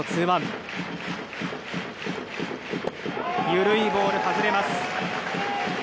緩いボールは外れます。